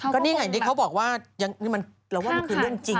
ก็นี่ไงนี่เขาบอกว่าเราว่ามันคือเรื่องจริง